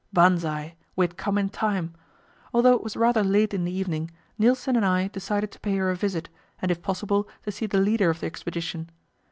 Banzai! We had come in time. Although it was rather late in the evening, Nilsen and I decided to pay her a visit, and if possible to see the leader of the expedition.